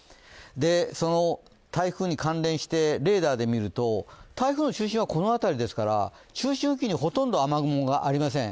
その台風に関連してレーダーで見ると台風の中心はこの辺りですから、中心付近にほとんど雨雲がありません。